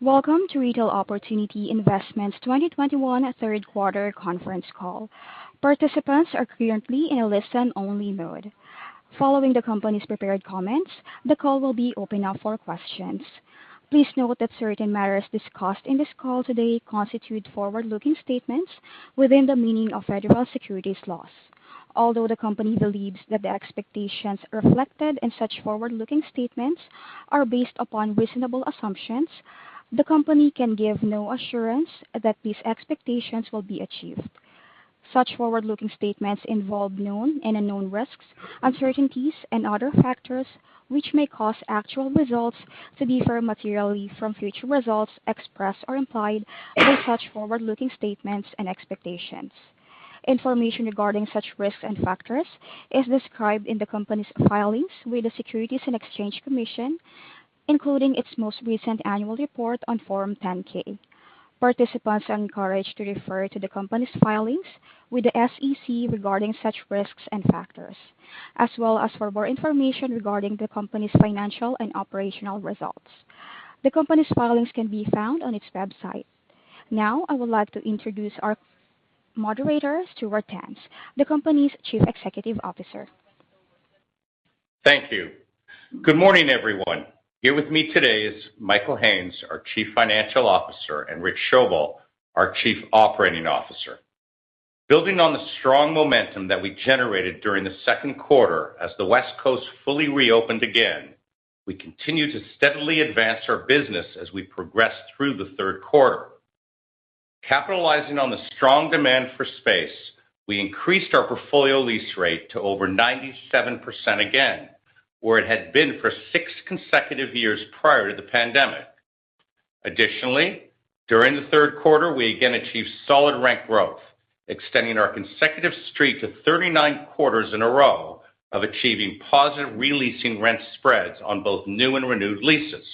Welcome to Retail Opportunity Investments' 2021 third quarter conference call. Participants are currently in a listen-only mode. Following the company's prepared comments, the call will be opened up for questions. Please note that certain matters discussed in this call today constitute forward-looking statements within the meaning of federal securities laws. Although the company believes that the expectations reflected in such forward-looking statements are based upon reasonable assumptions, the company can give no assurance that these expectations will be achieved. Such forward-looking statements involve known and unknown risks, uncertainties and other factors which may cause actual results to differ materially from future results expressed or implied by such forward-looking statements and expectations. Information regarding such risks and factors is described in the company's filings with the Securities and Exchange Commission, including its most recent annual report on Form 10-K. Participants are encouraged to refer to the company's filings with the SEC regarding such risks and factors, as well as for more information regarding the company's financial and operational results. The company's filings can be found on its website. Now I would like to introduce our moderator, Stuart Tanz, the company's Chief Executive Officer. Thank you. Good morning, everyone. Here with me today is Michael Haines, our Chief Financial Officer, and Rich Schoebel, our Chief Operating Officer. Building on the strong momentum that we generated during the second quarter as the West Coast fully reopened again, we continue to steadily advance our business as we progress through the third quarter. Capitalizing on the strong demand for space, we increased our portfolio lease rate to over 97% again, where it had been for six consecutive years prior to the pandemic. Additionally, during the third quarter, we again achieved solid rent growth, extending our consecutive streak to 39 quarters in a row of achieving positive re-leasing rent spreads on both new and renewed leases.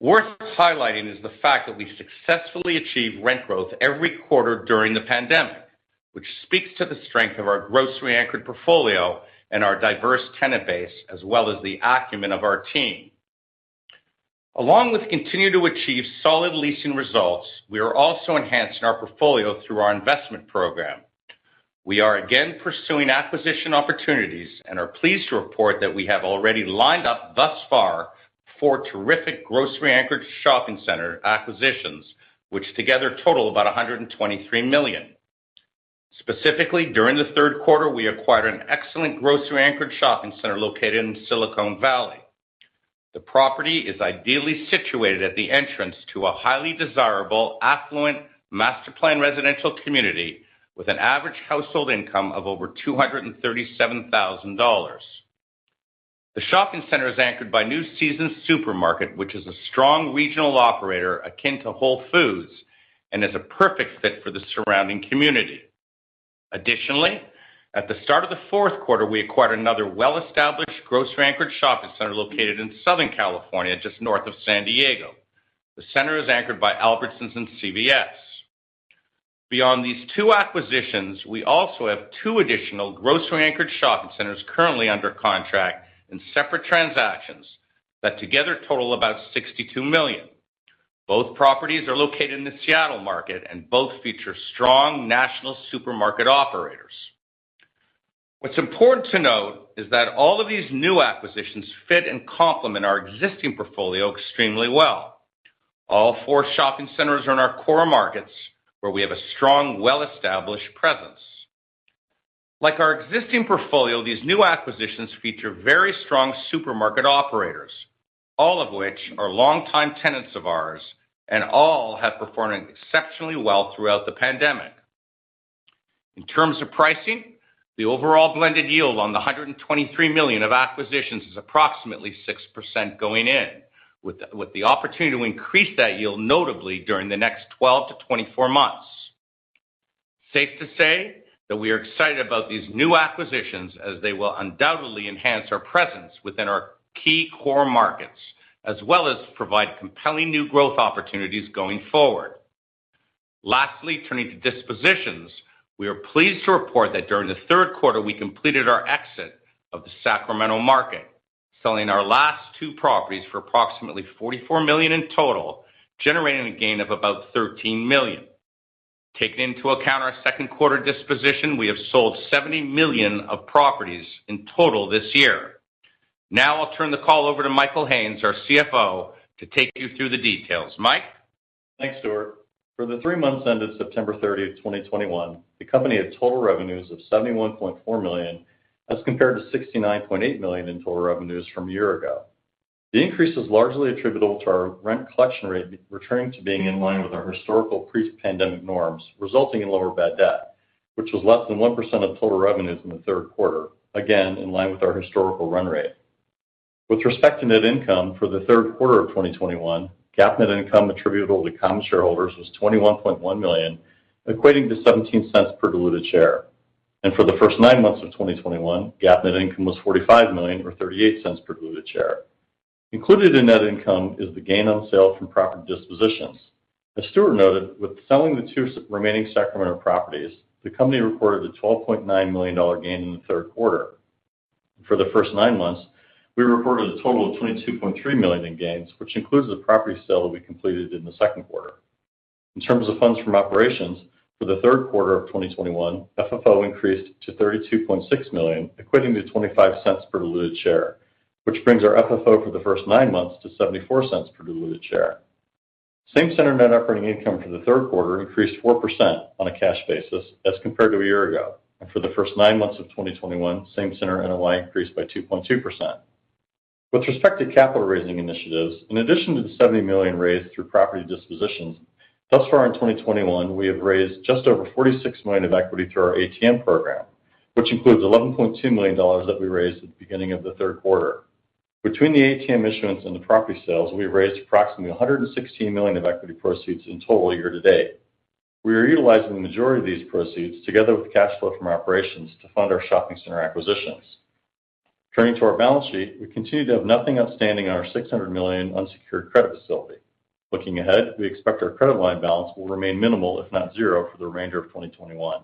Worth highlighting is the fact that we successfully achieved rent growth every quarter during the pandemic, which speaks to the strength of our grocery anchored portfolio and our diverse tenant base, as well as the acumen of our team. Along with continuing to achieve solid leasing results, we are also enhancing our portfolio through our investment program. We are again pursuing acquisition opportunities and are pleased to report that we have already lined up thus far four terrific grocery anchored shopping center acquisitions, which together total about $123 million. Specifically, during the third quarter, we acquired an excellent grocery anchored shopping center located in Silicon Valley. The property is ideally situated at the entrance to a highly desirable, affluent master plan residential community with an average household income of over $237,000. The shopping center is anchored by New Seasons Market, which is a strong regional operator akin to Whole Foods and is a perfect fit for the surrounding community. Additionally, at the start of the fourth quarter, we acquired another well-established grocery anchored shopping center located in Southern California, just north of San Diego. The center is anchored by Albertsons and CVS. Beyond these two acquisitions, we also have two additional grocery anchored shopping centers currently under contract in separate transactions that together total about $62 million. Both properties are located in the Seattle market, and both feature strong national supermarket operators. What's important to note is that all of these new acquisitions fit and complement our existing portfolio extremely well. All four shopping centers are in our core markets where we have a strong, well-established presence. Like our existing portfolio, these new acquisitions feature very strong supermarket operators. All of which are longtime tenants of ours, and all have performed exceptionally well throughout the pandemic. In terms of pricing, the overall blended yield on the $123 million of acquisitions is approximately 6% going in, with the opportunity to increase that yield notably during the next 12-24 months. Safe to say that we are excited about these new acquisitions as they will undoubtedly enhance our presence within our key core markets, as well as provide compelling new growth opportunities going forward. Lastly, turning to dispositions, we are pleased to report that during the third quarter we completed our exit of the Sacramento market, selling our last two properties for approximately $44 million in total, generating a gain of about $13 million. Taking into account our second quarter disposition, we have sold $70 million of properties in total this year. Now I'll turn the call over to Michael Haines, our CFO, to take you through the details. Mike? Thanks, Stuart. For the three months ended September 30, 2021, the company had total revenues of $71.4 million, as compared to $69.8 million in total revenues from a year ago. The increase was largely attributable to our rent collection rate returning to being in line with our historical pre-pandemic norms, resulting in lower bad debt, which was less than 1% of total revenues in the third quarter. Again, in line with our historical run rate. With respect to net income, for the third quarter of 2021, GAAP net income attributable to common shareholders was $21.1 million, equating to $0.17 per diluted share. For the first nine months of 2021, GAAP net income was $45 million or $0.38 per diluted share. Included in net income is the gain on sale from property dispositions. As Stuart noted, with selling the two remaining Sacramento properties, the company reported a $12.9 million gain in the third quarter. For the first nine months, we reported a total of $22.3 million in gains, which includes the property sale that we completed in the second quarter. In terms of funds from operations, for the third quarter of 2021, FFO increased to $32.6 million, equating to $0.25 per diluted share, which brings our FFO for the first nine months to $0.74 per diluted share. Same center net operating income for the third quarter increased 4% on a cash basis as compared to a year ago. For the first nine months of 2021, same center NOI increased by 2.2%. With respect to capital raising initiatives, in addition to the $70 million raised through property dispositions, thus far in 2021, we have raised just over $46 million of equity through our ATM program, which includes $11.2 million that we raised at the beginning of the third quarter. Between the ATM issuance and the property sales, we raised approximately $116 million of equity proceeds in total year to date. We are utilizing the majority of these proceeds together with cash flow from operations to fund our shopping center acquisitions. Turning to our balance sheet, we continue to have nothing outstanding on our $600 million unsecured credit facility. Looking ahead, we expect our credit line balance will remain minimal, if not zero, for the remainder of 2021.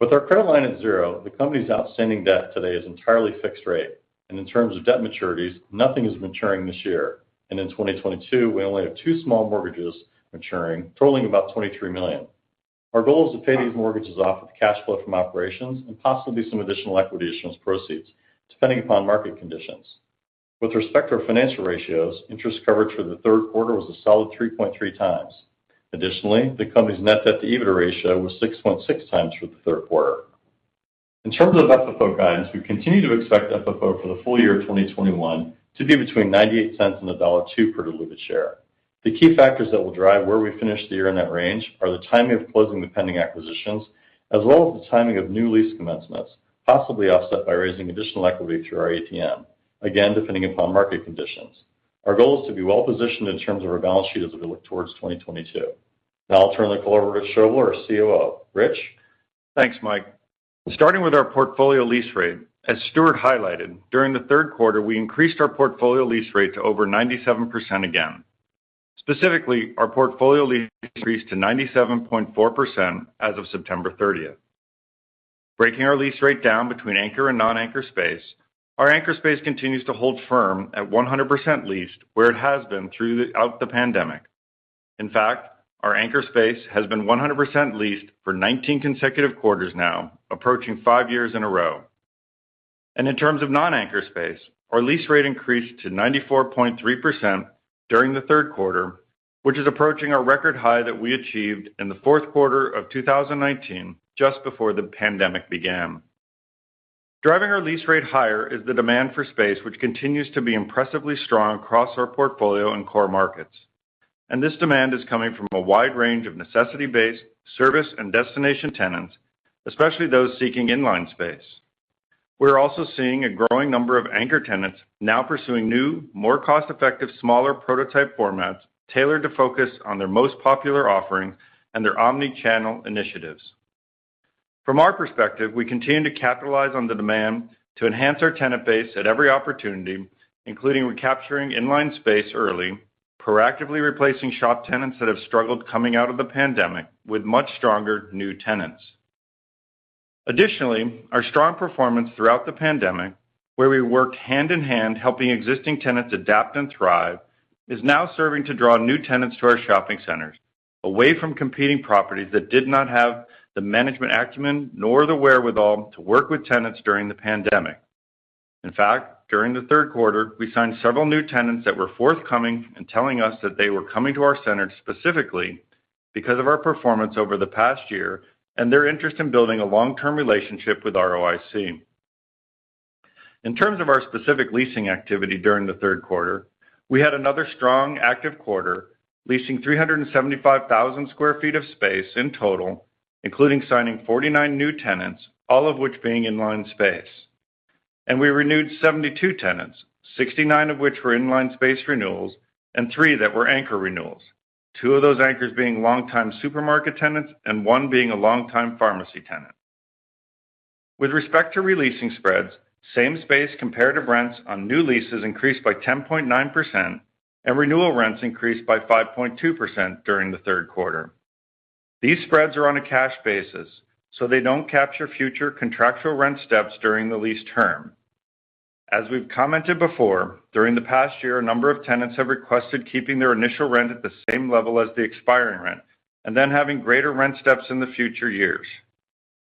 With our credit line at zero, the company's outstanding debt today is entirely fixed rate. In terms of debt maturities, nothing is maturing this year. In 2022, we only have two small mortgages maturing, totaling about $23 million. Our goal is to pay these mortgages off with cash flow from operations and possibly some additional equity issuance proceeds, depending upon market conditions. With respect to our financial ratios, interest coverage for the third quarter was a solid 3.3 times. Additionally, the company's net debt to EBITDA ratio was 6.6 times for the third quarter. In terms of FFO guidance, we continue to expect FFO for the full year of 2021 to be between $0.98 and $1.02 per diluted share. The key factors that will drive where we finish the year in that range are the timing of closing the pending acquisitions, as well as the timing of new lease commencements, possibly offset by raising additional equity through our ATM, again, depending upon market conditions. Our goal is to be well positioned in terms of our balance sheet as we look towards 2022. Now I'll turn the call over to Schoebel, our COO. Rich? Thanks, Michael. Starting with our portfolio lease rate, as Stuart highlighted, during the third quarter, we increased our portfolio lease rate to over 97% again. Specifically, our portfolio lease increased to 97.4% as of September 30. Breaking our lease rate down between anchor and non-anchor space, our anchor space continues to hold firm at 100% leased where it has been throughout the pandemic. In fact, our anchor space has been 100% leased for 19 consecutive quarters now, approaching five years in a row. In terms of non-anchor space, our lease rate increased to 94.3% during the third quarter, which is approaching a record high that we achieved in the fourth quarter of 2019, just before the pandemic began. Driving our lease rate higher is the demand for space, which continues to be impressively strong across our portfolio and core markets. This demand is coming from a wide range of necessity-based service and destination tenants, especially those seeking inline space. We're also seeing a growing number of anchor tenants now pursuing new, more cost-effective, smaller prototype formats tailored to focus on their most popular offering and their omni-channel initiatives. From our perspective, we continue to capitalize on the demand to enhance our tenant base at every opportunity, including recapturing inline space early, proactively replacing shop tenants that have struggled coming out of the pandemic with much stronger new tenants. Additionally, our strong performance throughout the pandemic, where we worked hand in hand helping existing tenants adapt and thrive, is now serving to draw new tenants to our shopping centers away from competing properties that did not have the management acumen nor the wherewithal to work with tenants during the pandemic. In fact, during the third quarter, we signed several new tenants that were forthcoming in telling us that they were coming to our centers specifically because of our performance over the past year and their interest in building a long-term relationship with ROIC. In terms of our specific leasing activity during the third quarter, we had another strong active quarter leasing 375,000 sq ft of space in total, including signing 49 new tenants, all of which being inline space. We renewed 72 tenants, 69 of which were inline space renewals and 3 that were anchor renewals. Two of those anchors being longtime supermarket tenants and one being a longtime pharmacy tenant. With respect to re-leasing spreads, same space comparative rents on new leases increased by 10.9%, and renewal rents increased by 5.2% during the third quarter. These spreads are on a cash basis, so they don't capture future contractual rent steps during the lease term. As we've commented before, during the past year, a number of tenants have requested keeping their initial rent at the same level as the expiring rent, and then having greater rent steps in the future years.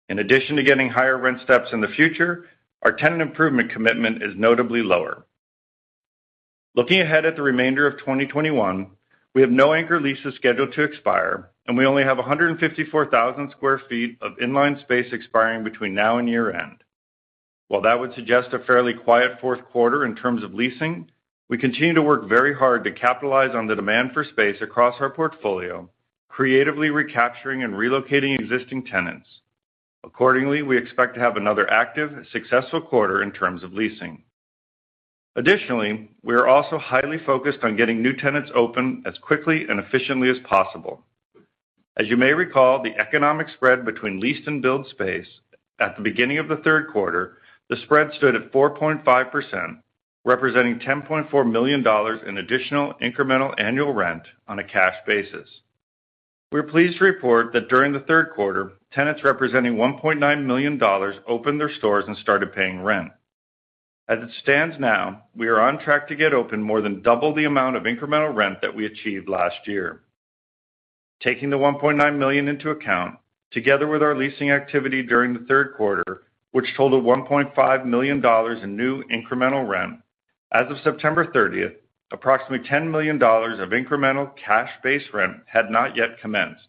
In addition to getting higher rent steps in the future, our tenant improvement commitment is notably lower. Looking ahead at the remainder of 2021, we have no anchor leases scheduled to expire, and we only have 154,000 sq ft of inline space expiring between now and year-end. While that would suggest a fairly quiet fourth quarter in terms of leasing, we continue to work very hard to capitalize on the demand for space across our portfolio, creatively recapturing and relocating existing tenants. Accordingly, we expect to have another active, successful quarter in terms of leasing. Additionally, we are also highly focused on getting new tenants open as quickly and efficiently as possible. As you may recall, the economic spread between leased and build space at the beginning of the third quarter, the spread stood at 4.5%, representing $10.4 million in additional incremental annual rent on a cash basis. We're pleased to report that during the third quarter, tenants representing $1.9 million opened their stores and started paying rent. As it stands now, we are on track to get open more than double the amount of incremental rent that we achieved last year, taking the $1.9 million into account, together with our leasing activity during the third quarter, which totaled $1.5 million in new incremental rent. As of September 30, approximately $10 million of incremental cash base rent had not yet commenced.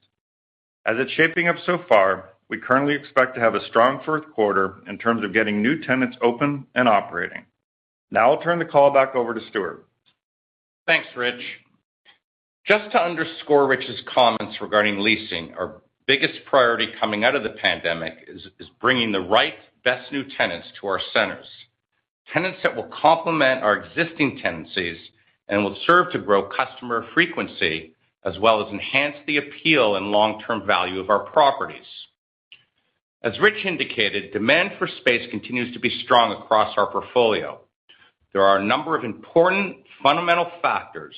As it's shaping up so far, we currently expect to have a strong fourth quarter in terms of getting new tenants open and operating. Now I'll turn the call back over to Stuart. Thanks, Rich. Just to underscore Rich's comments regarding leasing, our biggest priority coming out of the pandemic is bringing the right best new tenants to our centers. Tenants that will complement our existing tenancies and will serve to grow customer frequency as well as enhance the appeal and long-term value of our properties. As Rich indicated, demand for space continues to be strong across our portfolio. There are a number of important fundamental factors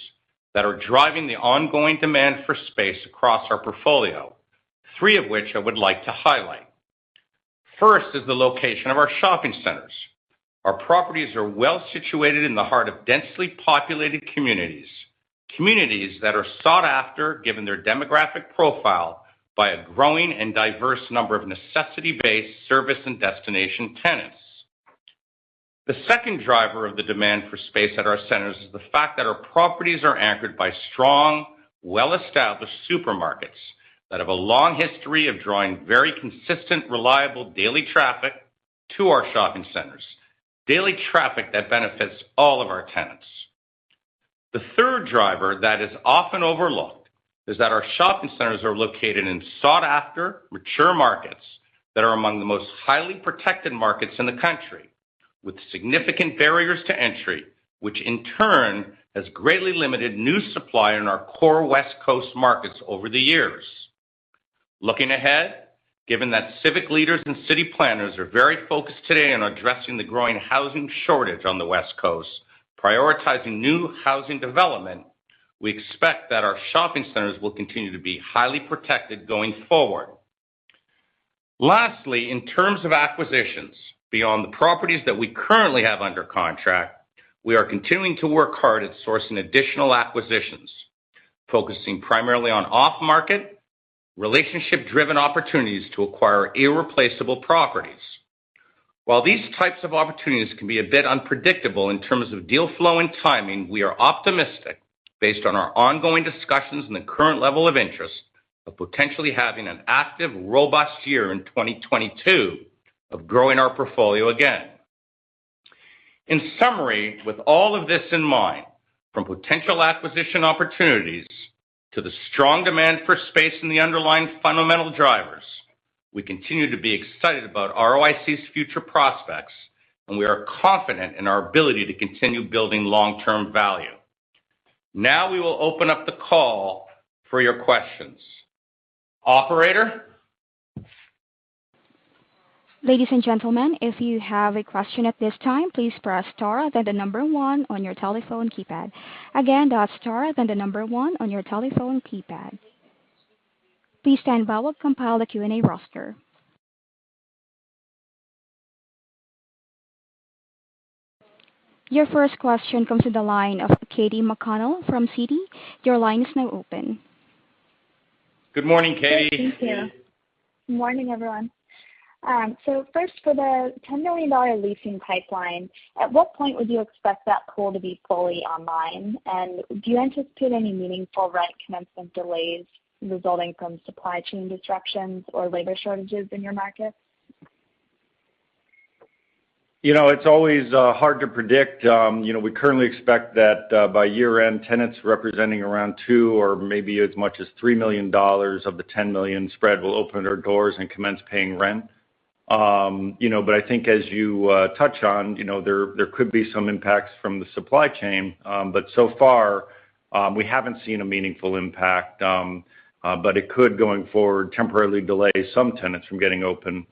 that are driving the ongoing demand for space across our portfolio. Three of which I would like to highlight. First is the location of our shopping centers. Our properties are well situated in the heart of densely populated communities. Communities that are sought after, given their demographic profile by a growing and diverse number of necessity-based service and destination tenants. The second driver of the demand for space at our centers is the fact that our properties are anchored by strong, well-established supermarkets that have a long history of drawing very consistent, reliable daily traffic to our shopping centers, daily traffic that benefits all of our tenants. The third driver that is often overlooked is that our shopping centers are located in sought-after mature markets that are among the most highly protected markets in the country, with significant barriers to entry, which in turn has greatly limited new supply in our core West Coast markets over the years. Looking ahead, given that civic leaders and city planners are very focused today on addressing the growing housing shortage on the West Coast, prioritizing new housing development, we expect that our shopping centers will continue to be highly protected going forward. Lastly, in terms of acquisitions, beyond the properties that we currently have under contract, we are continuing to work hard at sourcing additional acquisitions, focusing primarily on off-market, relationship-driven opportunities to acquire irreplaceable properties. While these types of opportunities can be a bit unpredictable in terms of deal flow and timing, we are optimistic based on our ongoing discussions and the current level of interest of potentially having an active, robust year in 2022 of growing our portfolio again. In summary, with all of this in mind, from potential acquisition opportunities to the strong demand for space and the underlying fundamental drivers, we continue to be excited about ROIC's future prospects, and we are confident in our ability to continue building long-term value. Now we will open up the call for your questions. Operator? Your first question comes to the line of Katy McConnell from Citi. Your line is now open. Good morning, Katie. Morning, everyone. First for the $10 million leasing pipeline, at what point would you expect that pool to be fully online? And do you anticipate any meaningful rent commencement delays resulting from supply chain disruptions or labor shortages in your markets? You know, it's always hard to predict. You know, we currently expect that by year-end, tenants representing around $2 million or maybe as much as $3 million of the $10 million spread will open their doors and commence paying rent. You know, I think as you touch on, you know, there could be some impacts from the supply chain. So far, we haven't seen a meaningful impact. It could going forward temporarily delay some tenants from getting open,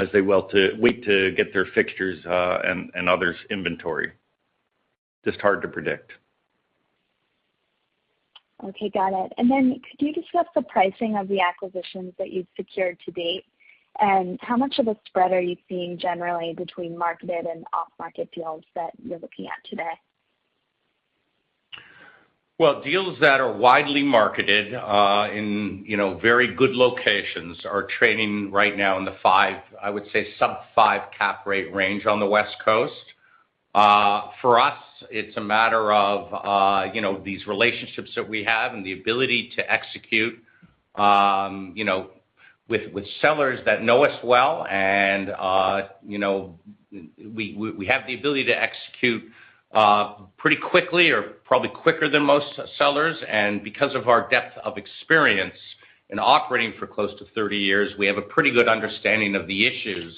as they wait to get their fixtures and others inventory. Just hard to predict. Okay, got it. Could you discuss the pricing of the acquisitions that you've secured to date? How much of a spread are you seeing generally between marketed and off-market deals that you're looking at today? Well, deals that are widely marketed in you know very good locations are trading right now in the 5, I would say sub-5 cap rate range on the West Coast. For us, it's a matter of you know these relationships that we have and the ability to execute you know with sellers that know us well and you know we have the ability to execute pretty quickly or probably quicker than most sellers. Because of our depth of experience in operating for close to 30 years, we have a pretty good understanding of the issues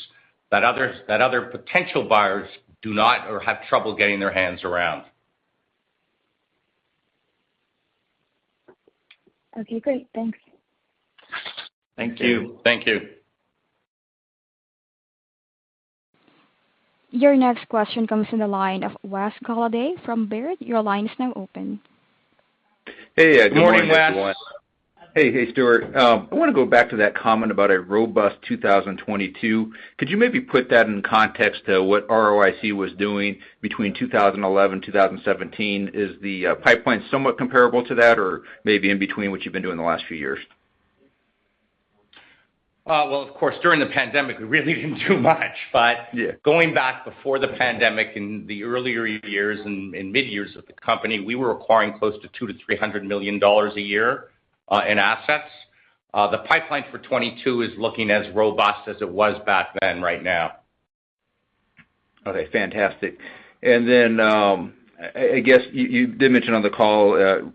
that other potential buyers do not or have trouble getting their hands around. Okay, great. Thanks. Thank you. Thank you. Your next question comes in the line of Wes Golladay from Baird. Your line is now open. Hey. Yeah, good morning, everyone. Morning, Wes. Hey. Hey, Stuart. I wanna go back to that comment about a robust 2022. Could you maybe put that in context to what ROIC was doing between 2011, 2017? Is the pipeline somewhat comparable to that or maybe in between what you've been doing the last few years? Well, of course, during the pandemic, we really didn't do much. Yeah. Going back before the pandemic in the earlier years and mid years of the company, we were acquiring close to $200 million-$300 million a year in assets. The pipeline for 2022 is looking as robust as it was back then right now. Okay, fantastic. I guess you did mention on the call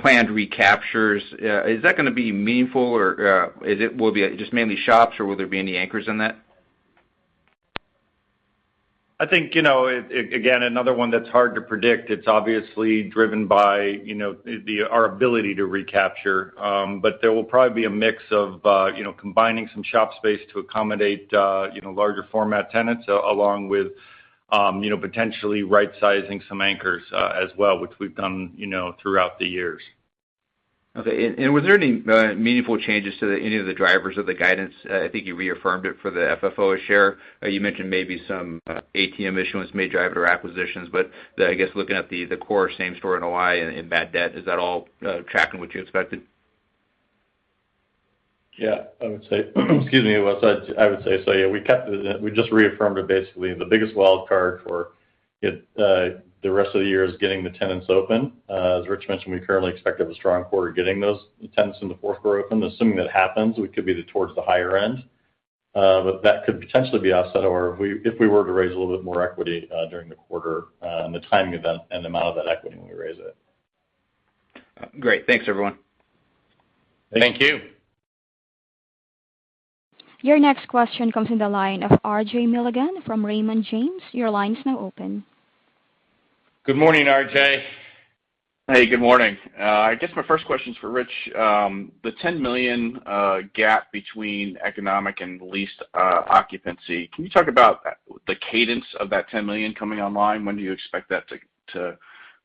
planned recaptures. Is that gonna be meaningful or will it be just mainly shops, or will there be any anchors in that? I think, you know, again, another one that's hard to predict. It's obviously driven by, you know, our ability to recapture. There will probably be a mix of, you know, combining some shop space to accommodate, you know, larger format tenants, along with, you know, potentially rightsizing some anchors, as well, which we've done, you know, throughout the years. Okay. Was there any meaningful changes to any of the drivers of the guidance? I think you reaffirmed it for the FFO share. You mentioned maybe some ATM issuance may drive your acquisitions. I guess looking at the core same store NOI and bad debt, is that all tracking what you expected? Yeah, I would say, excuse me, Wes. I would say so, yeah. We kept it. We just reaffirmed it basically. The biggest wild card for it, the rest of the year is getting the tenants open. As Rich mentioned, we currently expect to have a strong quarter getting those tenants in the fourth quarter open. Assuming that happens, we could be towards the higher end. That could potentially be offset, or if we were to raise a little bit more equity during the quarter, and the timing of that and amount of that equity when we raise it. Great. Thanks, everyone. Thank you. Your next question comes in the line of RJ Milligan from Raymond James. Your line is now open. Good morning, RJ. Hey, good morning. I guess my first question is for Rich. The $10 million gap between economic and leased occupancy, can you talk about the cadence of that $10 million coming online? When do you expect that to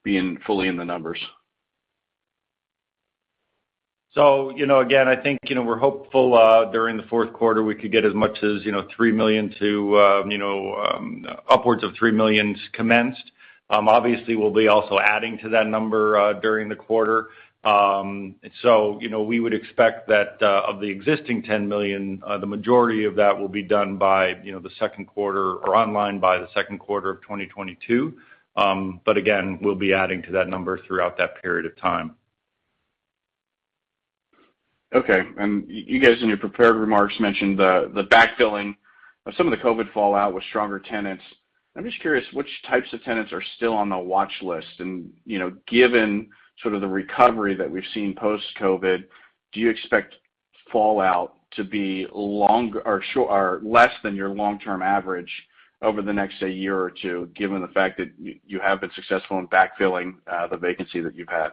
be fully in the numbers? You know, again, I think, you know, we're hopeful during the fourth quarter we could get as much as, you know, 3 million to, you know, upwards of 3 million commenced. Obviously we'll be also adding to that number during the quarter. You know, we would expect that of the existing 10 million, the majority of that will be done by, you know, the second quarter or online by the second quarter of 2022. Again, we'll be adding to that number throughout that period of time. Okay. You guys, in your prepared remarks, mentioned the backfilling of some of the COVID fallout with stronger tenants. I'm just curious which types of tenants are still on the watch list. You know, given sort of the recovery that we've seen post-COVID, do you expect fallout to be long or short or less than your long-term average over the next, say, year or two, given the fact that you have been successful in backfilling the vacancy that you've had?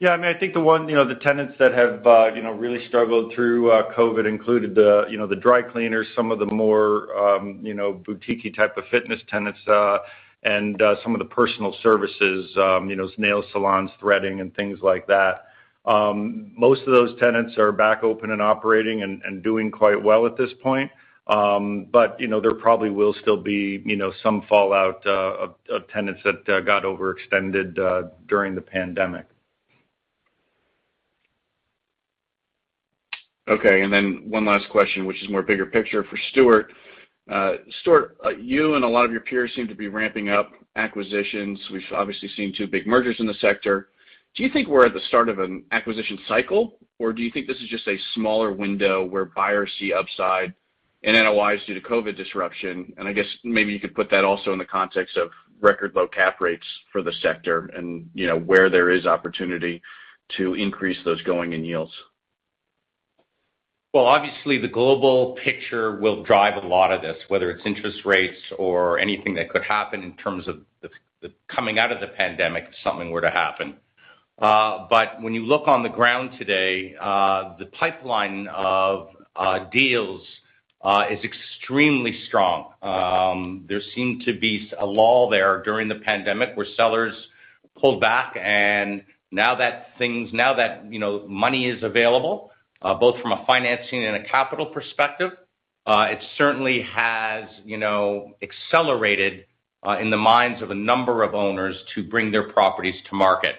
Yeah, I mean, I think the one, you know, the tenants that have, you know, really struggled through COVID included the, you know, the dry cleaners, some of the more, you know, boutiquey type of fitness tenants, and some of the personal services, you know, nail salons, threading and things like that. Most of those tenants are back open and operating and doing quite well at this point. But, you know, there probably will still be, you know, some fallout of tenants that got overextended during the pandemic. Okay. One last question, which is more bigger picture for Stuart. Stuart, you and a lot of your peers seem to be ramping up acquisitions. We've obviously seen two big mergers in the sector. Do you think we're at the start of an acquisition cycle, or do you think this is just a smaller window where buyers see upside and NOIs due to COVID disruption? I guess maybe you could put that also in the context of record low cap rates for the sector and, you know, where there is opportunity to increase those going-in yields. Well, obviously the global picture will drive a lot of this, whether it's interest rates or anything that could happen in terms of the coming out of the pandemic, if something were to happen. When you look on the ground today, the pipeline of deals is extremely strong. There seemed to be a lull there during the pandemic where sellers pulled back. Now that, you know, money is available both from a financing and a capital perspective, it certainly has, you know, accelerated in the minds of a number of owners to bring their properties to market.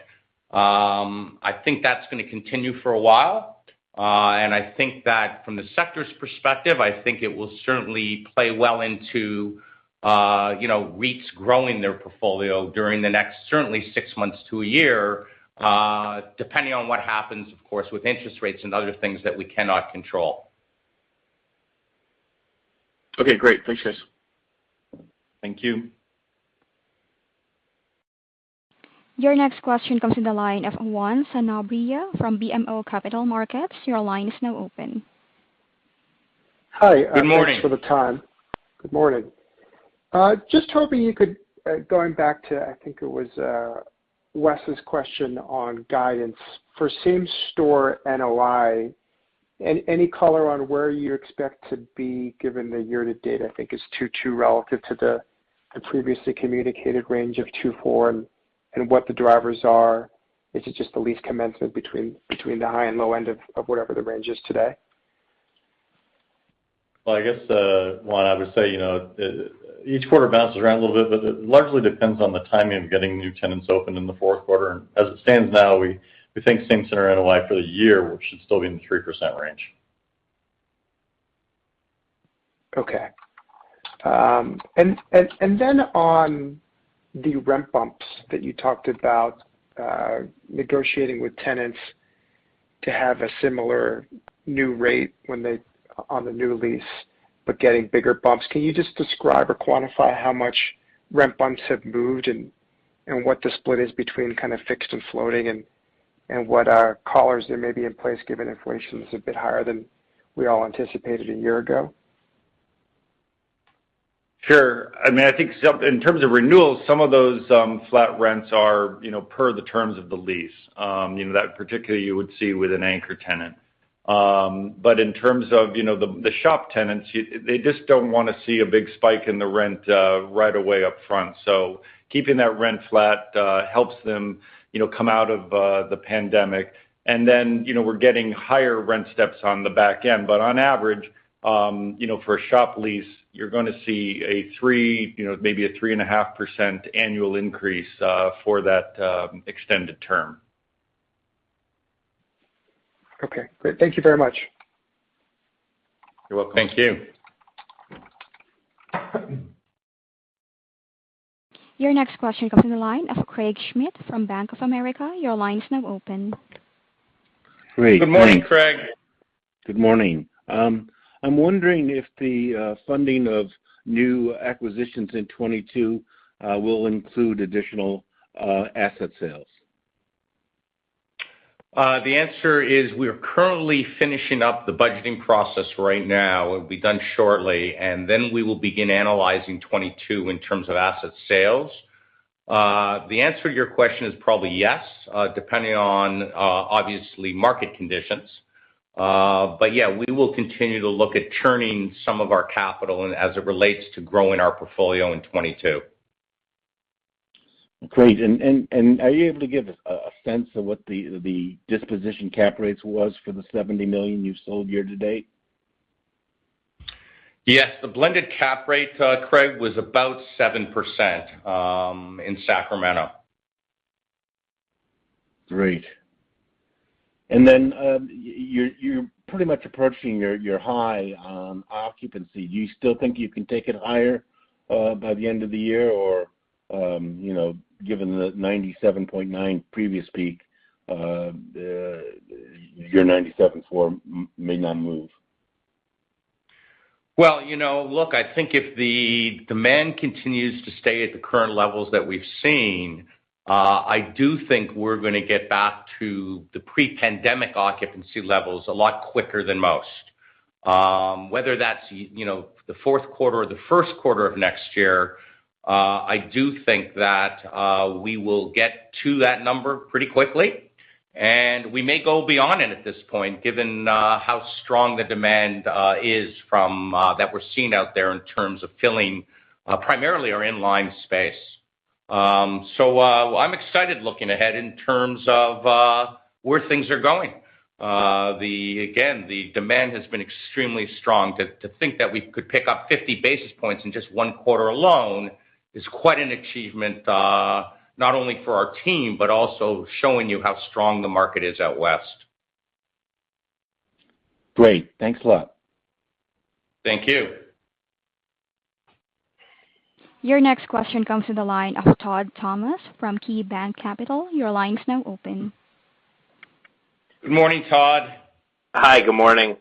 I think that's gonna continue for a while. I think that from the sector's perspective, I think it will certainly play well into, you know, REITs growing their portfolio during the next certainly six months to a year, depending on what happens, of course, with interest rates and other things that we cannot control. Okay, great. Thanks, guys. Thank you. Your next question comes in the line of Juan Sanabria from BMO Capital Markets. Your line is now open. Hi. Good morning. Thanks for the time. Good morning. Just hoping you could, going back to, I think it was, Wes's question on guidance. For same store NOI, any color on where you expect to be given the year to date, I think is 2.2% relative to the previously communicated range of 2.4% and what the drivers are. Is it just the lease commencement between the high and low end of whatever the range is today? Well, I guess, Juan, I would say, you know, each quarter bounces around a little bit, but it largely depends on the timing of getting new tenants open in the fourth quarter. As it stands now, we think same center NOI for the year should still be in the 3% range. Okay. On the rent bumps that you talked about, negotiating with tenants to have a similar new rate on the new lease, but getting bigger bumps. Can you just describe or quantify how much rent bumps have moved and what the split is between kind of fixed and floating and what collars there may be in place given inflation is a bit higher than we all anticipated a year ago? Sure. I mean, I think in terms of renewals, some of those flat rents are, you know, per the terms of the lease. You know, that particularly you would see with an anchor tenant. In terms of, you know, the shop tenants, they just don't wanna see a big spike in the rent right away up front. Keeping that rent flat helps them, you know, come out of the pandemic. Then, you know, we're getting higher rent steps on the back end. On average, you know, for a shop lease, you're gonna see a 3, you know, maybe a 3.5% annual increase for that extended term. Okay, great. Thank you very much. You're welcome. Thank you. Your next question comes in the line of Craig Schmidt from Bank of America. Your line is now open. Great, thanks. Good morning, Craig. Good morning. I'm wondering if the funding of new acquisitions in 2022 will include additional asset sales. The answer is we are currently finishing up the budgeting process right now. It will be done shortly, and then we will begin analyzing 2022 in terms of asset sales. The answer to your question is probably yes, depending on, obviously market conditions. Yeah, we will continue to look at churning some of our capital and as it relates to growing our portfolio in 2022. Great. Are you able to give a sense of what the disposition cap rates was for the $70 million you've sold year to date? Yes. The blended cap rate, Craig, was about 7%, in Sacramento. Great. You're pretty much approaching your high occupancy. Do you still think you can take it higher by the end of the year? Or, you know, given the 97.9% previous peak, your 97% floor may not move. Well, you know, look, I think if the demand continues to stay at the current levels that we've seen, I do think we're gonna get back to the pre-pandemic occupancy levels a lot quicker than most. Whether that's, you know, the fourth quarter or the first quarter of next year, I do think that we will get to that number pretty quickly. We may go beyond it at this point, given how strong the demand is from that we're seeing out there in terms of filling primarily our inline space. I'm excited looking ahead in terms of where things are going. The demand has been extremely strong. To think that we could pick up 50 basis points in just one quarter alone is quite an achievement, not only for our team, but also showing you how strong the market is out west. Great. Thanks a lot. Thank you. Your next question comes to the line of Todd Thomas from KeyBanc Capital. Your line's now open. Good morning, Todd. Hi, good morning.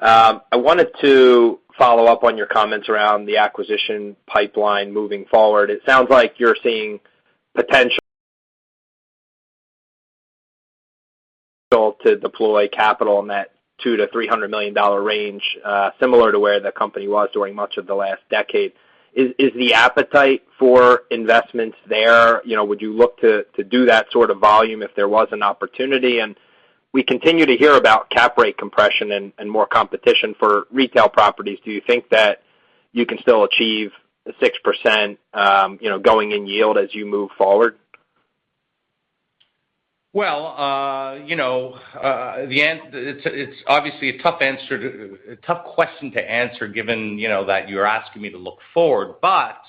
I wanted to follow up on your comments around the acquisition pipeline moving forward. It sounds like you're seeing potential to deploy capital in that $200 million-$300 million range, similar to where the company was during much of the last decade. Is the appetite for investments there? You know, would you look to do that sort of volume if there was an opportunity? We continue to hear about cap rate compression and more competition for retail properties. Do you think that you can still achieve the 6%, you know, going in yield as you move forward? Well, you know, it's obviously a tough question to answer given, you know, that you're asking me to look forward. But Right.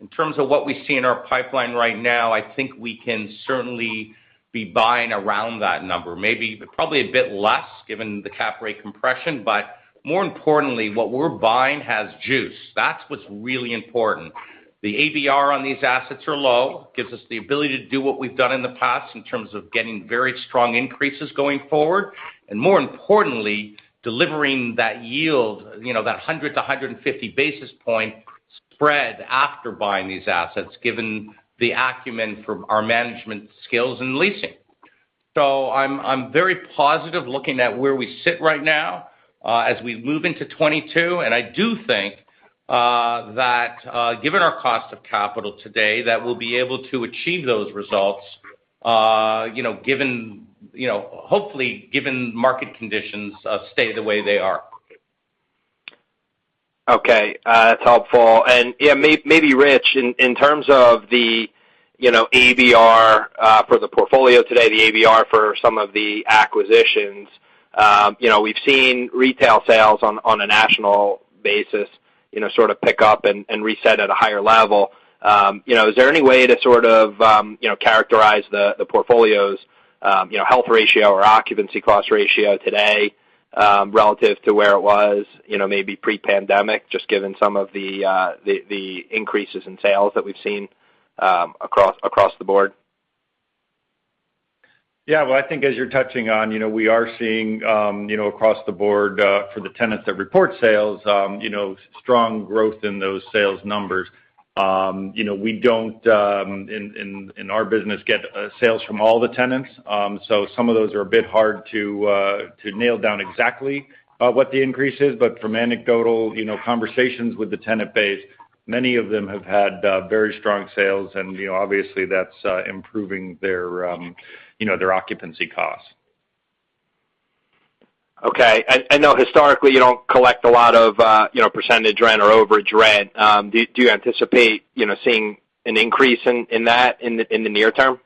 In terms of what we see in our pipeline right now, I think we can certainly be buying around that number. Maybe probably a bit less given the cap rate compression. More importantly, what we're buying has juice. That's what's really important. The ABR on these assets are low, gives us the ability to do what we've done in the past in terms of getting very strong increases going forward, and more importantly, delivering that yield, you know, that 100-150 basis points spread after buying these assets, given the acumen from our management skills and leasing. I'm very positive looking at where we sit right now, as we move into 2022. I do think that, given our cost of capital today, that we'll be able to achieve those results, you know, given, you know, hopefully given market conditions stay the way they are. Okay. That's helpful. Yeah, maybe Rich, in terms of the, you know, ABR for the portfolio today, the ABR for some of the acquisitions, you know, we've seen retail sales on a national basis, you know, sort of pick up and reset at a higher level. You know, is there any way to sort of, you know, characterize the portfolio's, you know, health ratio or occupancy cost ratio today, relative to where it was, you know, maybe pre-pandemic, just given some of the increases in sales that we've seen, across the board? Yeah. Well, I think as you're touching on, you know, we are seeing, you know, across the board, for the tenants that report sales, you know, strong growth in those sales numbers. You know, we don't in our business get sales from all the tenants, so some of those are a bit hard to nail down exactly what the increase is. But from anecdotal, you know, conversations with the tenant base, many of them have had very strong sales and, you know, obviously that's improving their, you know, their occupancy costs. Okay. I know historically you don't collect a lot of, you know, percentage rent or overage rent. Do you anticipate, you know, seeing an increase in that in the near term?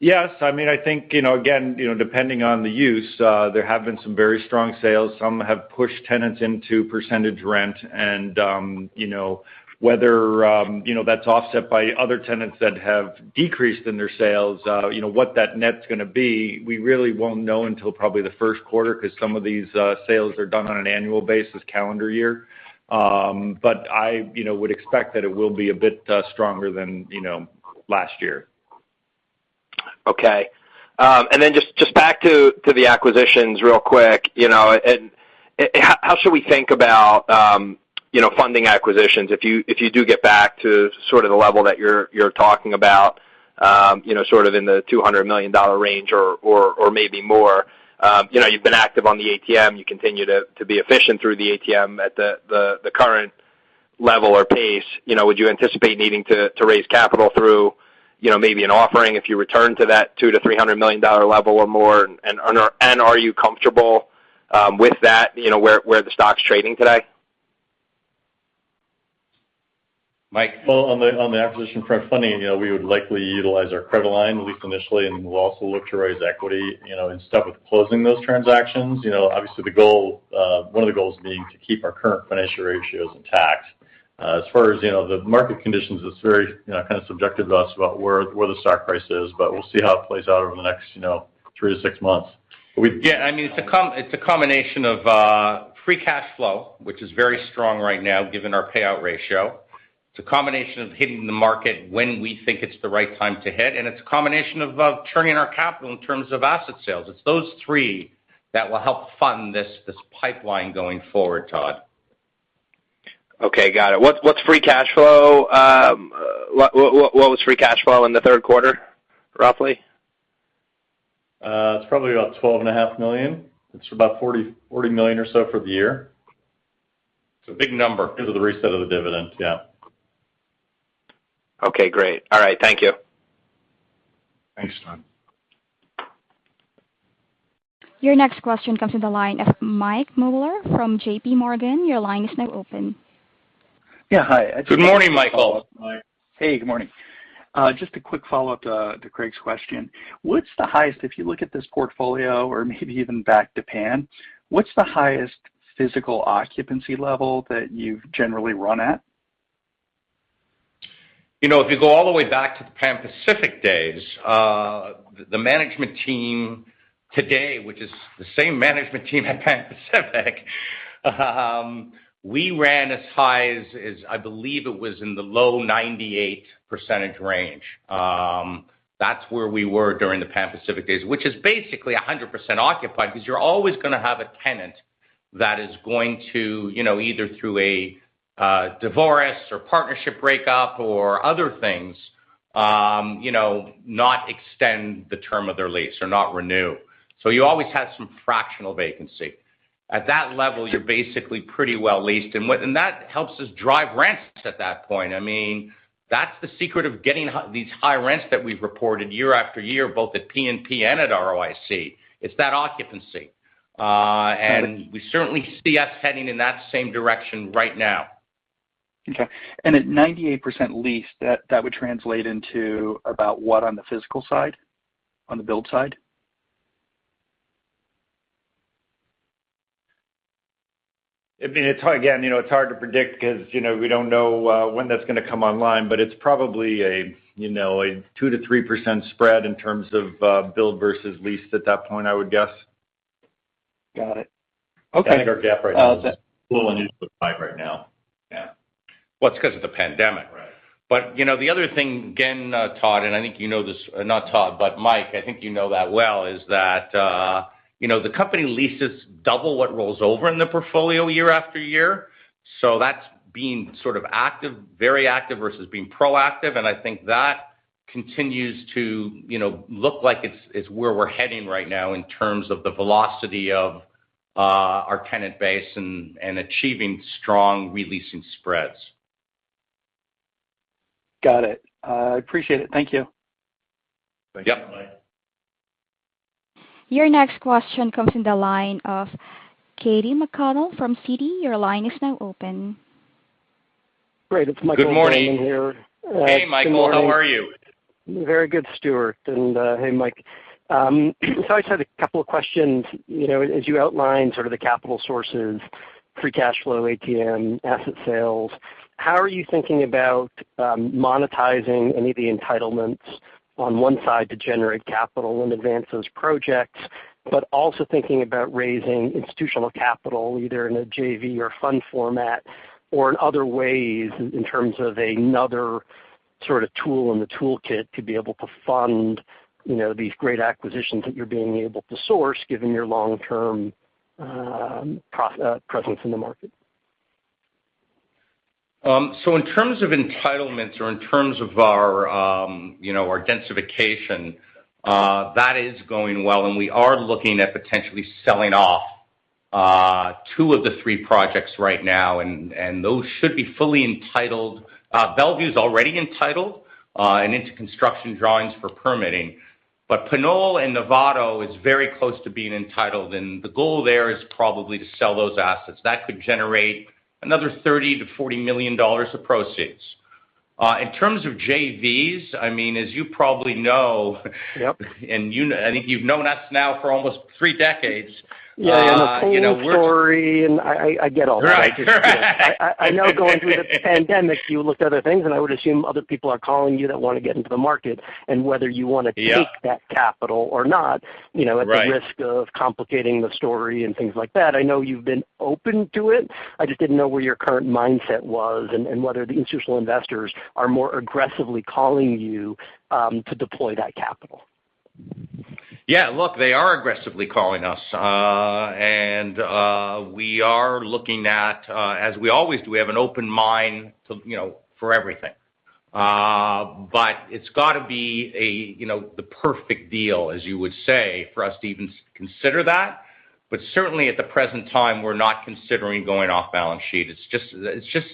Yes. I mean, I think, you know, again, you know, depending on the use, there have been some very strong sales. Some have pushed tenants into percentage rent and, you know, whether, you know, that's offset by other tenants that have decreased in their sales, you know, what that net's gonna be, we really won't know until probably the first quarter, 'cause some of these sales are done on an annual basis, calendar year. I, you know, would expect that it will be a bit stronger than, you know, last year. Okay. Just back to the acquisitions real quick, you know. How should we think about, you know, funding acquisitions if you do get back to sort of the level that you're talking about, you know, sort of in the $200 million range or maybe more? You know, you've been active on the ATM. You continue to be efficient through the ATM at the current level or pace. You know, would you anticipate needing to raise capital through, you know, maybe an offering if you return to that $200 million-$300 million level or more? Are you comfortable with that, you know, where the stock's trading today? Mike. Well, on the acquisition front, funding, you know, we would likely utilize our credit line, at least initially, and we'll also look to raise equity, you know, in step with closing those transactions. You know, obviously the goal, one of the goals being to keep our current financial ratios intact. As far as, you know, the market conditions, it's very, you know, kind of subjective to us about where the stock price is, but we'll see how it plays out over the next, you know, 3-6 months. Yeah, I mean, it's a combination of free cash flow, which is very strong right now, given our payout ratio. It's a combination of hitting the market when we think it's the right time to hit, and it's a combination of turning our capital in terms of asset sales. It's those three that will help fund this pipeline going forward, Todd. Okay, got it. What's free cash flow? What was free cash flow in the third quarter, roughly? It's probably about $12.5 million. It's about $40 million or so for the year. It's a big number. Because of the reset of the dividends, yeah. Okay, great. All right, thank you. Thanks, Todd. Your next question comes to the line of Michael Mueller from JPMorgan. Your line is now open. Yeah, hi. Good morning, Michael. Hey, good morning. Just a quick follow-up to Craig's question. If you look at this portfolio or maybe even back to Pan, what's the highest physical occupancy level that you've generally run at? You know, if you go all the way back to the Pan Pacific days, the management team today, which is the same management team at Pan Pacific, we ran as high as I believe it was in the low 98% range. That's where we were during the Pan Pacific days, which is basically 100% occupied because you're always gonna have a tenant that is going to, you know, either through a divorce or partnership breakup or other things, you know, not extend the term of their lease or not renew. So you always have some fractional vacancy. At that level, you're basically pretty well leased. That helps us drive rents at that point. I mean, that's the secret of getting these high rents that we've reported year after year, both at PNP and at ROIC. It's that occupancy. We certainly see us heading in that same direction right now. Okay. At 98% leased, that would translate into about what on the physical side, on the build side? I mean, it's hard, again, you know, it's hard to predict because, you know, we don't know when that's gonna come online, but it's probably a, you know, a 2%-3% spread in terms of build versus leased at that point, I would guess. Got it. Okay. I think our gap right now is a little into the five right now. Yeah. Well, it's 'cause of the pandemic. Right. You know, the other thing, again, Todd, and I think you know this, not Todd, but Mike, I think you know that well, is that, you know, the company leases double what rolls over in the portfolio year after year. So that's being sort of active, very active versus being proactive. I think that continues to, you know, look like it's where we're heading right now in terms of the velocity of our tenant base and achieving strong re-leasing spreads. Got it. I appreciate it. Thank you. Yep. Your next question comes from the line of Caitlin Burrows from Goldman Sachs. Your line is now open. Great. It's Michael here. Good morning. Good morning. Hey, Michael. How are you? Very good, Stuart. Hey, Mike. So I just had a couple of questions. You know, as you outlined sort of the capital sources, free cash flow, ATM, asset sales, how are you thinking about monetizing any of the entitlements on one side to generate capital and advance those projects, but also thinking about raising institutional capital either in a JV or fund format or in other ways in terms of another sort of tool in the toolkit to be able to fund, you know, these great acquisitions that you're being able to source given your long-term presence in the market? In terms of entitlements or in terms of our, you know, our densification, that is going well, and we are looking at potentially selling off, two of the three projects right now, and those should be fully entitled. Bellevue's already entitled, and into construction drawings for permitting. Pinole and Novato is very close to being entitled, and the goal there is probably to sell those assets. That could generate another $30 million-$40 million of proceeds. In terms of JVs, I mean, as you probably know- Yep. I think you've known us now for almost three decades. You know, we're Yeah, the full story, and I get all that. Right. I know going through the pandemic, you looked at other things, and I would assume other people are calling you that wanna get into the market and whether you wanna. Yeah. take that capital or not Right. You know, at the risk of complicating the story and things like that. I know you've been open to it. I just didn't know where your current mindset was and whether the institutional investors are more aggressively calling you to deploy that capital. Yeah. Look, they are aggressively calling us. We are looking at, as we always do, we have an open mind to, you know, for everything. It's gotta be a, you know, the perfect deal, as you would say, for us to even consider that. Certainly, at the present time, we're not considering going off balance sheet. It's just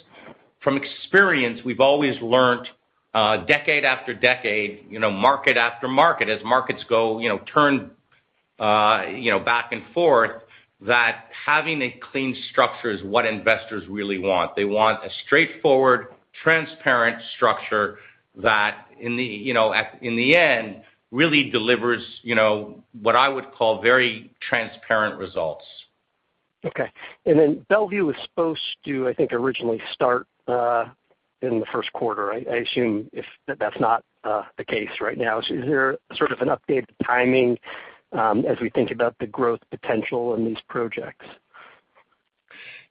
from experience, we've always learned, decade after decade, you know, market after market, as markets go, you know, turn, you know, back and forth, that having a clean structure is what investors really want. They want a straightforward, transparent structure that in the, you know, in the end really delivers, you know, what I would call very transparent results. Okay. Then Bellevue was supposed to, I think, originally start in the first quarter. I assume that that's not the case right now. Is there sort of an updated timing as we think about the growth potential in these projects?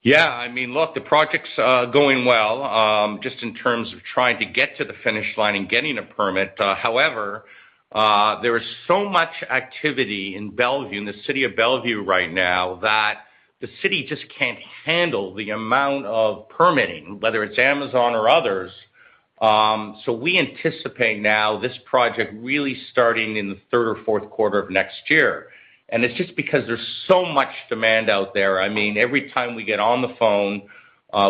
Yeah. I mean, look, the project's going well, just in terms of trying to get to the finish line and getting a permit. However, there is so much activity in Bellevue, in the city of Bellevue right now, that the city just can't handle the amount of permitting, whether it's Amazon or others. We anticipate now this project really starting in the third or fourth quarter of next year. It's just because there's so much demand out there. I mean, every time we get on the phone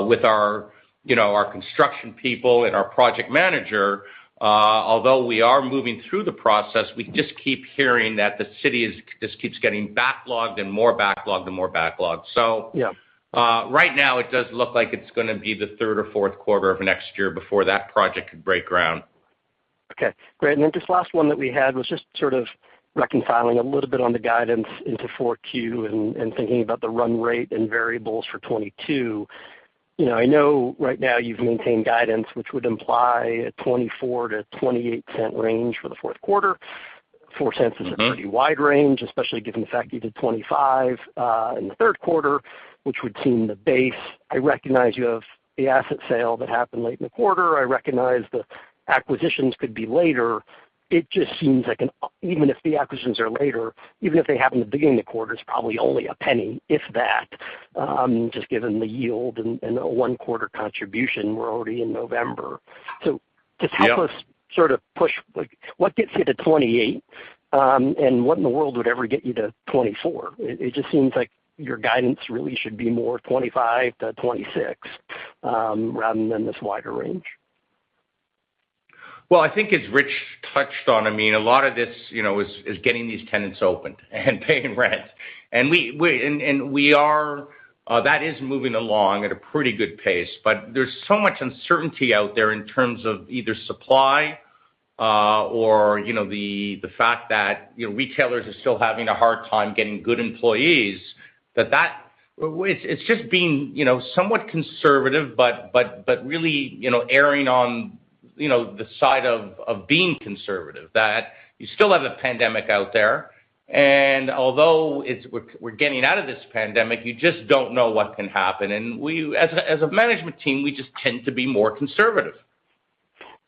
with our, you know, our construction people and our project manager. Although we are moving through the process, we just keep hearing that the city just keeps getting backlogged and more backlogged. Yeah. Right now it does look like it's gonna be the third or fourth quarter of next year before that project could break ground. Okay, great. Just last one that we had was just sort of reconciling a little bit on the guidance into Q4 and thinking about the run rate and variables for 2022. You know, I know right now you've maintained guidance, which would imply a $0.24-$0.28 range for the fourth quarter. $0.04 is- Mm-hmm. A pretty wide range, especially given the fact you did $0.25 in the third quarter, which would seem the base. I recognize you have the asset sale that happened late in the quarter. I recognize the acquisitions could be later. It just seems like even if the acquisitions are later, even if they happen at the beginning of the quarter, it's probably only $0.01, if that, just given the yield and a one quarter contribution. We're already in November. Just help us. Yeah. Sort of push, like what gets you to 28, and what in the world would ever get you to 24? It just seems like your guidance really should be more 25-26, rather than this wider range. Well, I think as Rich touched on, I mean, a lot of this, you know, is getting these tenants opened and paying rent. We are that is moving along at a pretty good pace, but there's so much uncertainty out there in terms of either supply, or, you know, the fact that, you know, retailers are still having a hard time getting good employees, that. It's just being, you know, somewhat conservative but really, you know, erring on, you know, the side of being conservative that you still have the pandemic out there. Although it's, we're getting out of this pandemic, you just don't know what can happen. We as a management team just tend to be more conservative.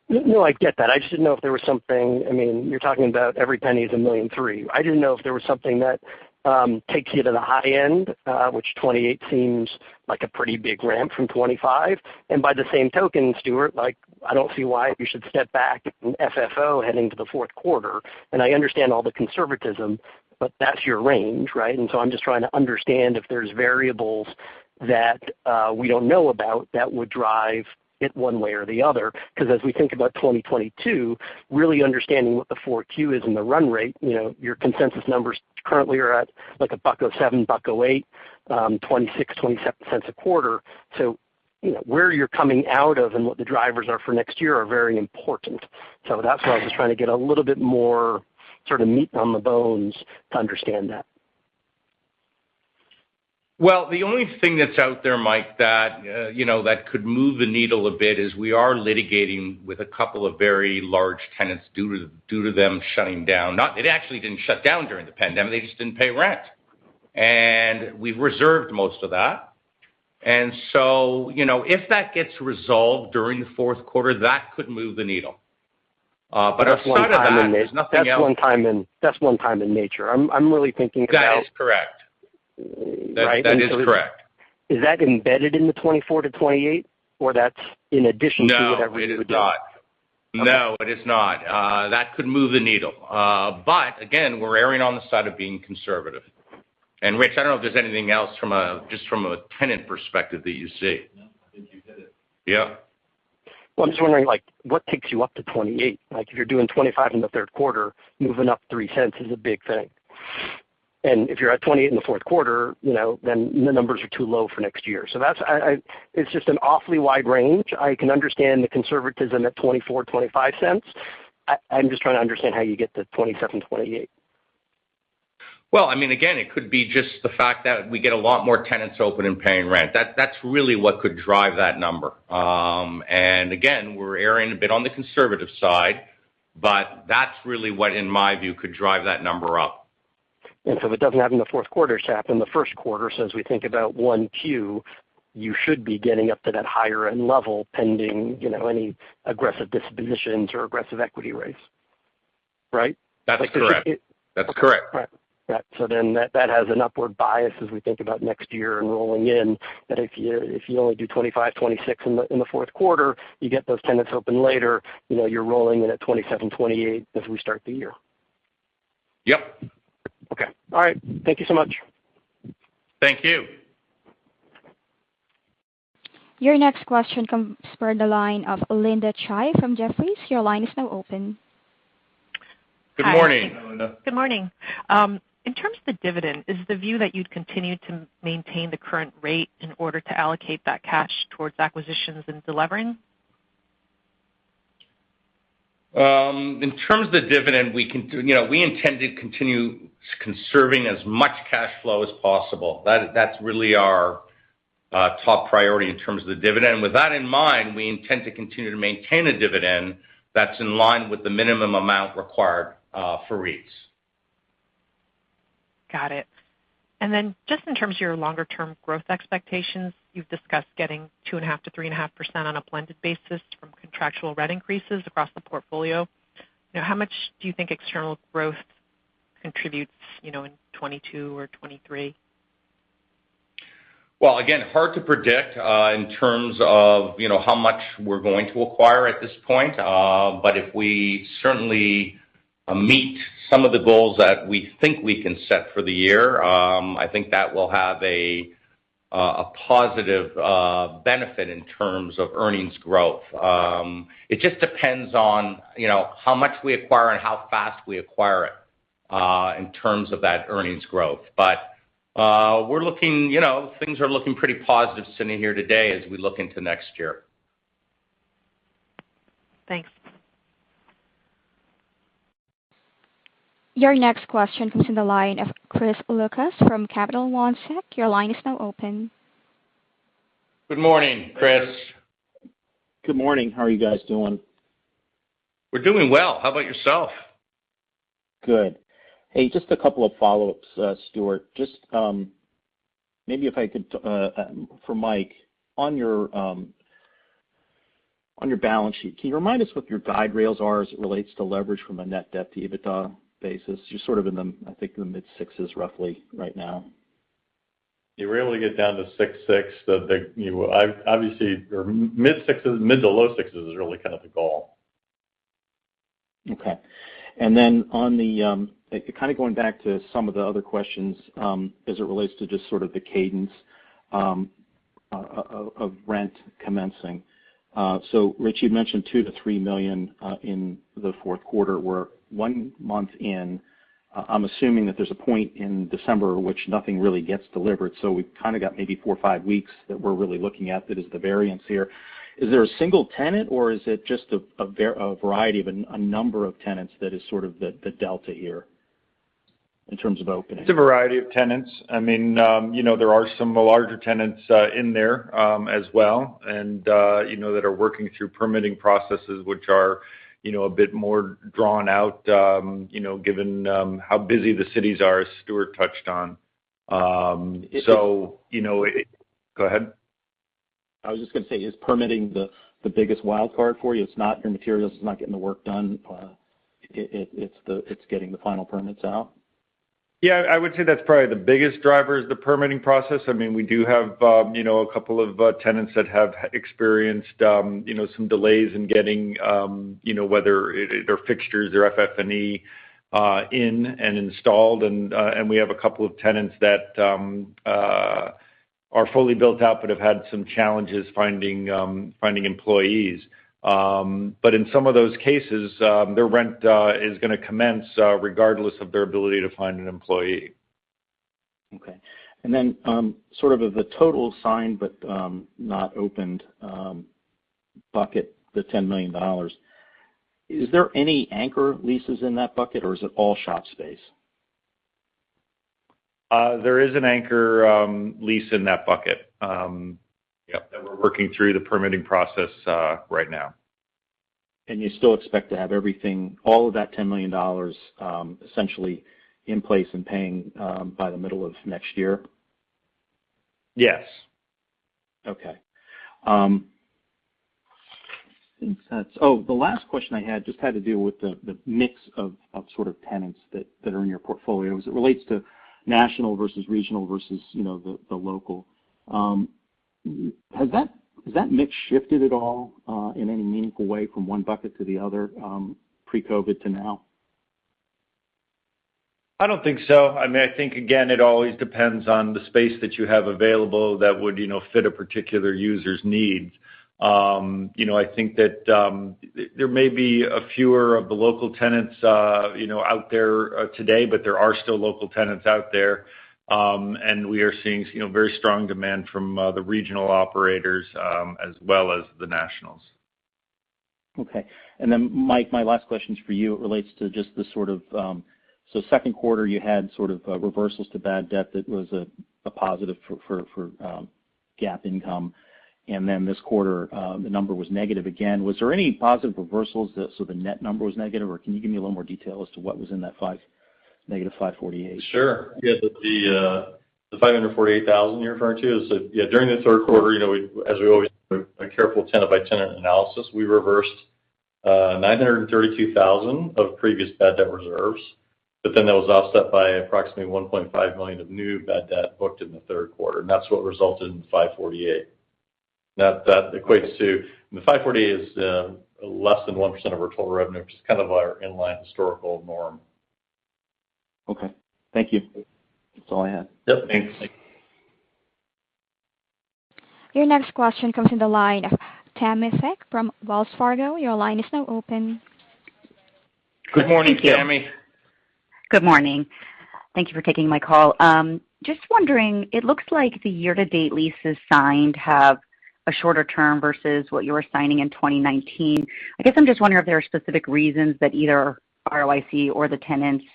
No, I get that. I just didn't know if there was something. I mean, you're talking about every penny is $1.3 million. I didn't know if there was something that takes you to the high end, which $0.28 seems like a pretty big ramp from $0.25. By the same token, Stuart, like, I don't see why you should step back in FFO heading to the fourth quarter. I understand all the conservatism, but that's your range, right? I'm just trying to understand if there's variables that we don't know about that would drive it one way or the other. Because as we think about 2022, really understanding what the 4Q is in the run rate, you know, your consensus numbers currently are at like $1.07, $1.08, $0.26-$0.27 a quarter. you know, where you're coming out of and what the drivers are for next year are very important. That's why I was just trying to get a little bit more sort of meat on the bones to understand that. Well, the only thing that's out there, Mike, that, you know, that could move the needle a bit is we are litigating with a couple of very large tenants due to them shutting down. They actually didn't shut down during the pandemic. They just didn't pay rent. We've reserved most of that. You know, if that gets resolved during the fourth quarter, that could move the needle. Aside from that, there's nothing else. That's one time in nature. I'm really thinking about That is correct. Right. That is correct. Is that embedded in the 24-28, or that's in addition to whatever you would get? No, it is not. Okay. No, it is not. That could move the needle. But again, we're erring on the side of being conservative. Rich, I don't know if there's anything else from a, just from a tenant perspective that you see. No, I think you hit it. Yeah. Well, I'm just wondering, like, what takes you up to $0.28? Like, if you're doing $0.25 in the third quarter, moving up 3 cents is a big thing. If you're at $0.28 in the fourth quarter, you know, then the numbers are too low for next year. That's I... It's just an awfully wide range. I can understand the conservatism at $0.24, $0.25 cents. I'm just trying to understand how you get to $0.27, $0.28. Well, I mean, again, it could be just the fact that we get a lot more tenants open and paying rent. That, that's really what could drive that number. Again, we're erring a bit on the conservative side, but that's really what, in my view, could drive that number up. If it doesn't happen in the fourth quarter, it should happen in the first quarter. As we think about 1Q, you should be getting up to that higher end level pending, you know, any aggressive dispositions or aggressive equity rates, right? That's correct. Like, if you That's correct. Right. That has an upward bias as we think about next year and rolling in, that if you only do 25, 26 in the fourth quarter, you get those tenants open later, you know, you're rolling in at 27, 28 as we start the year. Yep. Okay. All right. Thank you so much. Thank you. Your next question comes from the line of Linda Tsai from Jefferies. Your line is now open. Good morning. Good morning, Linda. Good morning. In terms of the dividend, is the view that you'd continue to maintain the current rate in order to allocate that cash towards acquisitions and delevering? In terms of the dividend, you know, we intend to continue conserving as much cash flow as possible. That's really our top priority in terms of the dividend. With that in mind, we intend to continue to maintain a dividend that's in line with the minimum amount required for REITs. Got it. Just in terms of your longer term growth expectations, you've discussed getting 2.5%-3.5% on a blended basis from contractual rent increases across the portfolio. You know, how much do you think external growth contributes, you know, in 2022 or 2023? Well, again, hard to predict in terms of, you know, how much we're going to acquire at this point. If we certainly meet some of the goals that we think we can set for the year, I think that will have a A positive benefit in terms of earnings growth. It just depends on, you know, how much we acquire and how fast we acquire it, in terms of that earnings growth. We're looking you know, things are looking pretty positive sitting here today as we look into next year. Thanks. Your next question comes from the line of Chris Lucas from Capital One Securities. Your line is now open. Good morning, Chris. Good morning. How are you guys doing? We're doing well. How about yourself? Good. Hey, just a couple of follow-ups, Stuart. Maybe if I could, for Mike, on your balance sheet, can you remind us what your guardrails are as it relates to leverage from a net debt to EBITDA basis? You're sort of in the mid-sixes, I think, roughly right now. You rarely get down to 6.6. Obviously, mid- to low 6s is really kind of the goal. Okay. Then on the kind of going back to some of the other questions, as it relates to just sort of the cadence of rent commencing. So Rich, you'd mentioned $2 million-$3 million in the fourth quarter. We're 1 month in. I'm assuming that there's a point in December which nothing really gets delivered, so we've kind of got maybe 4 or 5 weeks that we're really looking at that is the variance here. Is there a single tenant, or is it just a variety of a number of tenants that is sort of the delta here in terms of openings? It's a variety of tenants. I mean, you know, there are some larger tenants in there as well, and you know, that are working through permitting processes which are, you know, a bit more drawn out, you know, given how busy the cities are, as Stuart touched on. You know. Go ahead. I was just gonna say, is permitting the biggest wildcard for you? It's not your materials, it's not getting the work done, it's getting the final permits out? Yeah, I would say that's probably the biggest driver is the permitting process. I mean, we do have, you know, a couple of tenants that have experienced, you know, some delays in getting, you know, their fixtures, their FF&E, in and installed. We have a couple of tenants that are fully built out but have had some challenges finding employees. In some of those cases, their rent is gonna commence, regardless of their ability to find an employee. Okay. Sort of the total signed but not opened bucket, the $10 million, is there any anchor leases in that bucket, or is it all shop space? There is an anchor lease in that bucket. Yep. -that we're working through the permitting process, right now. You still expect to have everything, all of that $10 million, essentially in place and paying, by the middle of next year? Yes. Okay. I think the last question I just had to deal with the mix of sort of tenants that are in your portfolio as it relates to national versus regional versus, you know, the local. Has that mix shifted at all in any meaningful way from one bucket to the other pre-COVID to now? I don't think so. I mean, I think, again, it always depends on the space that you have available that would, you know, fit a particular user's needs. You know, I think that there may be fewer of the local tenants, you know, out there today, but there are still local tenants out there. We are seeing, you know, very strong demand from the regional operators as well as the nationals. Mike, my last question is for you. It relates to just the sort of second quarter you had sort of reversals to bad debt that was a positive for GAAP income. This quarter, the number was negative again. Was there any positive reversals, so the net number was negative? Or can you give me a little more detail as to what was in that negative $548? Sure. Yeah. The $548,000 you're referring to is that, yeah, during the third quarter, you know, as we always do a careful tenant-by-tenant analysis, we reversed $932,000 of previous bad debt reserves. That was offset by approximately $1.5 million of new bad debt booked in the third quarter, and that's what resulted in the $548,000. That equates to the $548,000 is less than 1% of our total revenue, which is kind of our inline historical norm. Okay. Thank you. That's all I had. Yep. Thanks. Thank you. Your next question comes in the line of Tammi Fique from Wells Fargo. Your line is now open. Good morning, Tammi. Good morning. Thank you for taking my call. Just wondering, it looks like the year-to-date leases signed have a shorter term versus what you were signing in 2019. I guess I'm just wondering if there are specific reasons that either ROIC or the tenants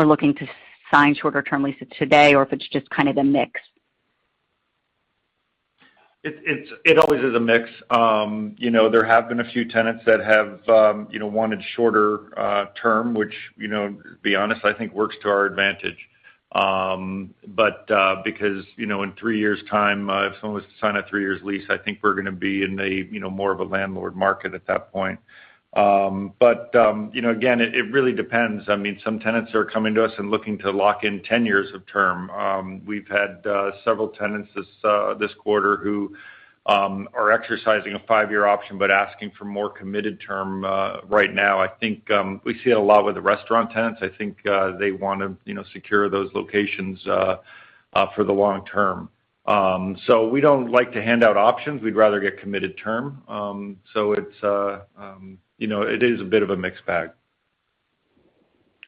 are looking to sign shorter term leases today, or if it's just kind of the mix. It's always a mix. You know, there have been a few tenants that have, you know, wanted shorter term, which, you know, to be honest, I think works to our advantage. But because, you know, in 3 years' time, if someone was to sign a 3-year lease, I think we're gonna be in a, you know, more of a landlord market at that point. But you know, again, it really depends. I mean, some tenants are coming to us and looking to lock in 10 years of term. We've had several tenants this quarter who are exercising a 5-year option but asking for more committed term. Right now, I think, we see it a lot with the restaurant tenants. I think, they wanna, you know, secure those locations, for the long term. We don't like to hand out options. We'd rather get committed term. It's, you know, it is a bit of a mixed bag.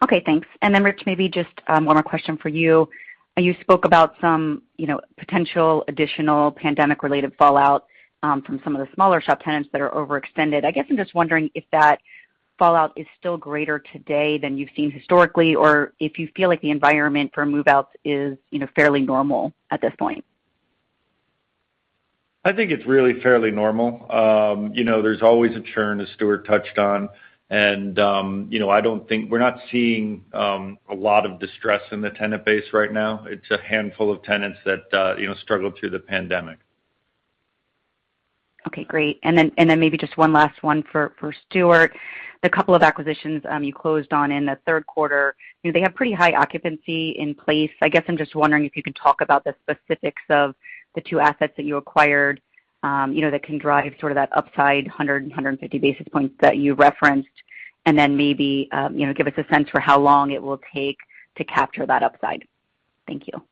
Okay, thanks. Then Rich, maybe just one more question for you. You spoke about some, you know, potential additional pandemic-related fallout from some of the smaller shop tenants that are overextended. I guess I'm just wondering if that fallout is still greater today than you've seen historically, or if you feel like the environment for move-outs is, you know, fairly normal at this point. I think it's really fairly normal. You know, there's always a churn as Stuart touched on, and, you know, I don't think we're not seeing a lot of distress in the tenant base right now. It's a handful of tenants that, you know, struggled through the pandemic. Okay, great. Maybe just one last one for Stuart. The couple of acquisitions you closed on in the third quarter, you know, they have pretty high occupancy in place. I guess I'm just wondering if you could talk about the specifics of the two assets that you acquired, you know, that can drive sort of that upside 100 and 150 basis points that you referenced, and then maybe, you know, give us a sense for how long it will take to capture that upside. Thank you.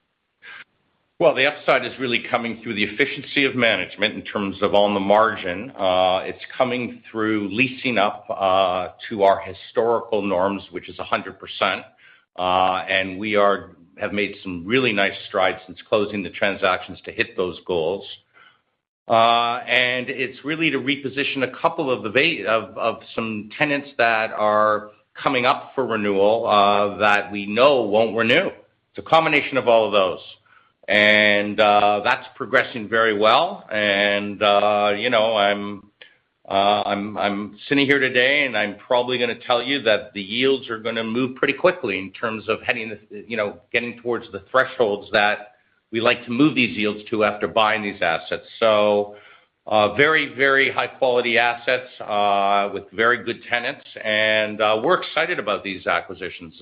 Well, the upside is really coming through the efficiency of management in terms of on the margin. It's coming through leasing up to our historical norms, which is 100%. We have made some really nice strides since closing the transactions to hit those goals. It's really to reposition a couple of the vacancies of some tenants that are coming up for renewal that we know won't renew. It's a combination of all of those. That's progressing very well. You know, I'm sitting here today, and I'm probably gonna tell you that the yields are gonna move pretty quickly in terms of heading, you know, getting towards the thresholds that we like to move these yields to after buying these assets. Very, very high-quality assets with very good tenants. We're excited about these acquisitions.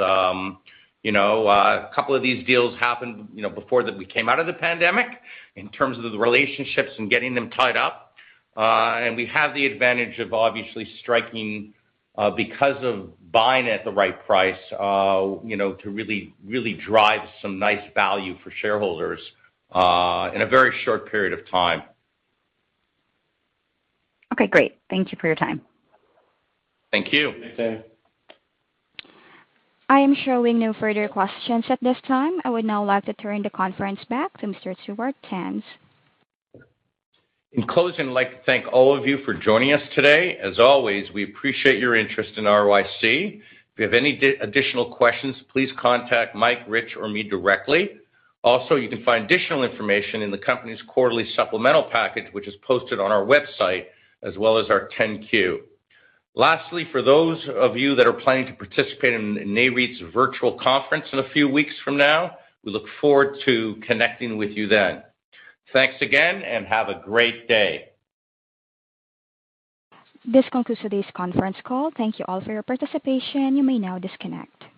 You know, a couple of these deals happened, you know, before we came out of the pandemic in terms of the relationships and getting them tied up. We have the advantage of obviously striking, you know, to really drive some nice value for shareholders, in a very short period of time. Okay, great. Thank you for your time. Thank you. Thanks. I am showing no further questions at this time. I would now like to turn the conference back to Mr. Stuart Tanz. In closing, I'd like to thank all of you for joining us today. As always, we appreciate your interest in ROIC. If you have any additional questions, please contact Mike, Rich, or me directly. Also, you can find additional information in the company's quarterly supplemental package, which is posted on our website, as well as our 10-Q. Lastly, for those of you that are planning to participate in Nareit's virtual conference in a few weeks from now, we look forward to connecting with you then. Thanks again, and have a great day. This concludes today's conference call. Thank you all for your participation. You may now disconnect.